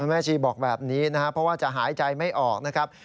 แม่ชีบอกแบบนี้นะครับเพราะว่าจะหายใจไม่ออกนะครับ